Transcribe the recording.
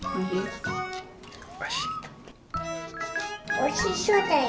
おいしそうだよ。